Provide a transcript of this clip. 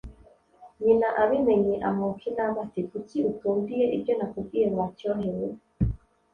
nyina abimenye amwuka inabi ati ”Kuki utumviye ibyo nakubwiye wa cyohe we